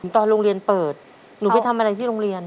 ตอนโรงเรียนเปิดหนูไปทำอะไรที่โรงเรียน